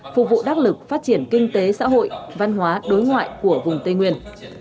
phục vụ đắc lực phát triển kinh tế xã hội văn hóa đối ngoại của vùng tây nguyên